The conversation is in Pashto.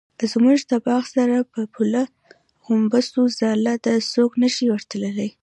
زموږ د باغ سره په پوله د غومبسو ځاله ده څوک نشي ورتلی.